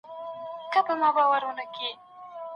موږ بايد خپل کلتور وساتو.